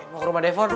mau ke rumah depon